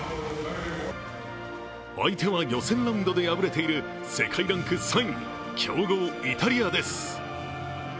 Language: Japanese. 相手は予選ラウンドで敗れている世界ランク３位、強豪イタリアです。